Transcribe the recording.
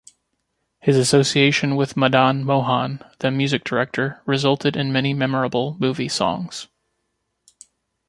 His association with Madan Mohan, the music director resulted in many memorable movie songs.